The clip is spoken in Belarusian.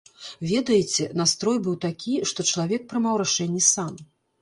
Ведаеце, настрой быў такі, што чалавек прымаў рашэнні сам.